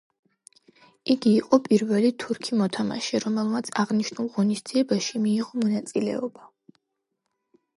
იგი იყო პირველი თურქი მოთამაშე, რომელმაც აღნიშნულ ღონისძიებაში მიიღო მონაწილეობა.